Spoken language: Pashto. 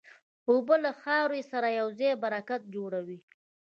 اوبه له خاورې سره یوځای برکت جوړوي.